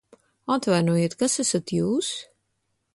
Atvainojiet, kas esat jūs?